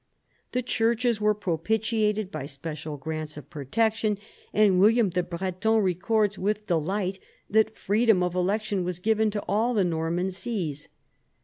The churches were propitiated by special grants of protection, and William the Breton records with de light that freedom of election was given to all the Norman sees.